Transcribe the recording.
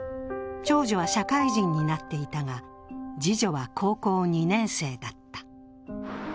長女は社会人になっていたが、次女は高校２年生だった。